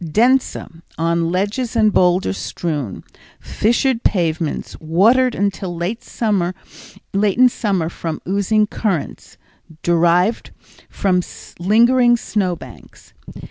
densa_ on ledges and boulder strewn, fissured pavements, watered until late in summer from oozing currents, derived from lingering snowbanks.